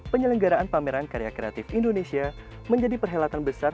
penyelenggaraan pameran karya kreatif indonesia menjadi perhelatan besar